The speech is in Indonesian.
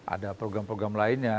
ada program program lainnya